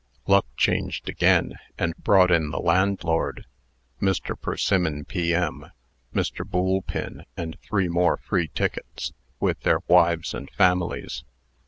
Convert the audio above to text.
Luck changed again, and brought in the landlord, Mr. Persimmon, P.M., Mr. Boolpin, and three more free tickets, with their wives and families.